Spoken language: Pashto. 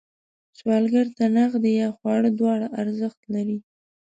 سوالګر ته نغدې یا خواړه دواړه ارزښت لري